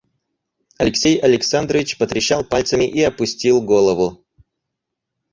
Алексей Александрович потрещал пальцами и опустил голову.